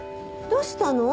どうしたの？